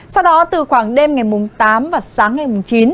sau đó từ khoảng đêm ngày tám và sáng ngày mùng chín